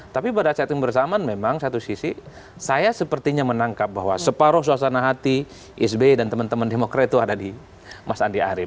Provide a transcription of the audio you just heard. tapi pada saat yang bersamaan memang satu sisi saya sepertinya menangkap bahwa separuh suasana hati sby dan teman teman demokrat itu ada di mas andi arief